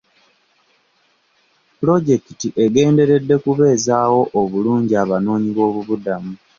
Pulojekiti egenderedde kubezaawo obulungi abanoonyi b'obubuddamu.